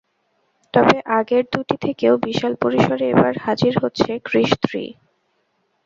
তবে আগের দুটি থেকেও বিশাল পরিসরে এবার হাজির হচ্ছে কৃষ থ্রি।